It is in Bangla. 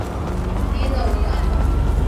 দিয়ে দাও ওটা, আপা।